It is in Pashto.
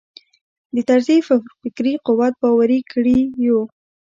د طرزي پر فکري قوت باوري کړي یو.